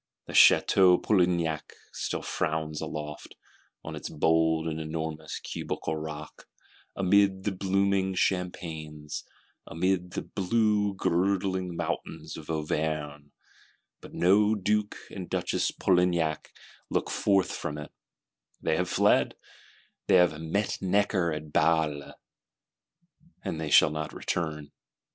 The Château Polignac still frowns aloft, on its "bold and enormous" cubical rock, amid the blooming champaigns, amid the blue girdling mountains of Auvergne: but no Duke and Duchess Polignac look forth from it; they have fled, they have "met Necker at Bale;" they shall not return.